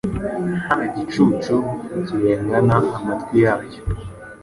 Nka gicucu kirengana amatwi yacyo